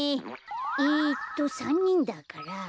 えっと３にんだから。